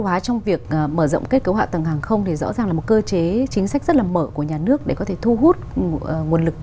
các hệ thống hạ tầng này không mang tính thương mại